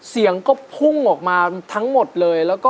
เสียงก็พุ่งออกมาทั้งหมดเลย